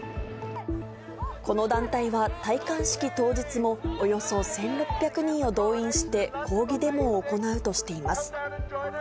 この団体は、戴冠式当日もおよそ１６００人を動員して、抗議デモを行うとしています。